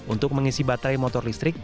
untuk mengisi baterai motor listrik